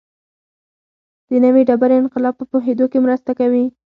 د نوې ډبرې انقلاب په پوهېدو کې مرسته کوي.